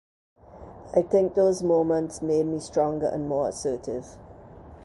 I think those moments made me stronger and more assertive.